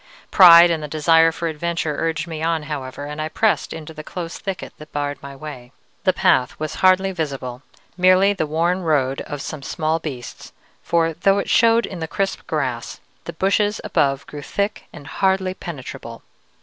Pride and the desire for adventure urged me on, however, and I pressed into the close thicket that barred my way. The path was hardly visible: merely the worn road of some small beasts, for, though it showed in the crisp grass, the bushes above grew thick and hardly penetrable.